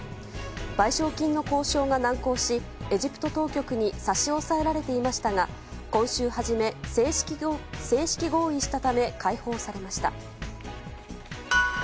賠償金の交渉が難航しエジプト当局に差し押さえられていましたが今週初め、正式合意したため解放されました。